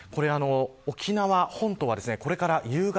沖縄本島はこれから夕方